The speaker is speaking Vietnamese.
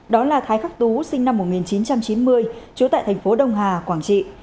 đó là thái khắc tú sinh năm một nghìn chín trăm chín mươi trú tại thành phố đông hà quảng trị